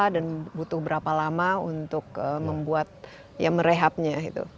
dan butuh berapa lama untuk membuat ya merehabnya gitu